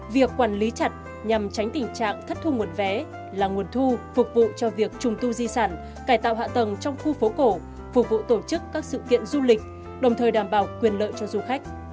việc quản lý chặt nhằm tránh tình trạng thất thu nguồn vé là nguồn thu phục vụ cho việc trùng tu di sản cải tạo hạ tầng trong khu phố cổ phục vụ tổ chức các sự kiện du lịch đồng thời đảm bảo quyền lợi cho du khách